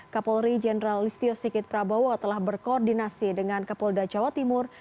kapolri jenderal listio sikit prabowo telah berkoordinasi dengan kapolda jawa timur